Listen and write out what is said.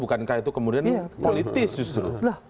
bukankah itu kemudian politis justru